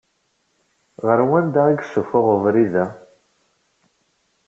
Ɣer wanda i isufuɣ webrid-a?